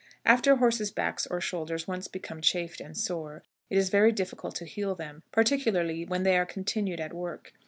After horses' backs or shoulders once become chafed and sore, it is very difficult to heal them, particularly when they are continued at work.